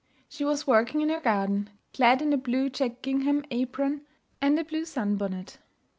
She was working in her garden, clad in a blue checked gingham apron and a blue sunbonnet.